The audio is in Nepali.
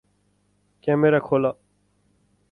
क्यामेरा खोल ।